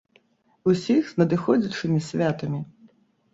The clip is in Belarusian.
Усіх з надыходзячымі святамі!